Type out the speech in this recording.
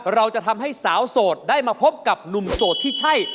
เราจะทำให้สาวโสดได้มาพบกับหนุ่มโสดที่ใช่